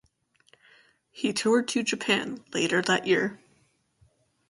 He toured to Japan in later that year.